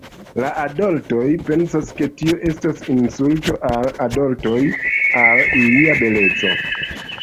La adoltoj pensas, ke tio estas insulto al adoltoj, al ilia beleco.